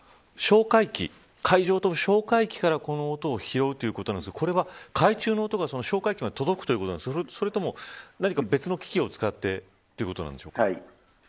海上の哨戒機から、この音を拾うということですが、海中から哨戒機に音が届くということかそれとも別の機器を使ってということなんでしょうか。